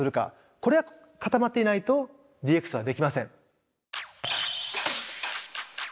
これが固まっていないとＤＸはできません。